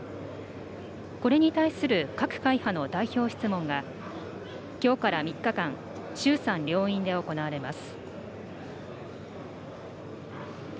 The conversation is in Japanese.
これに対する各会派の代表質問が、きょうから３日間、衆参両院で行われます。